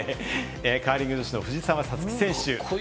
カーリング女子の藤澤五月選手。